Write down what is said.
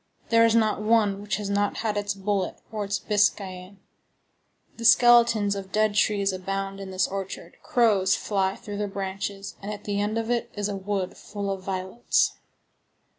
There is not one which has not had its bullet or its biscayan.6 The skeletons of dead trees abound in this orchard. Crows fly through their branches, and at the end of it is a wood full of violets.